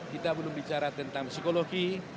kita belum bicara tentang psikologi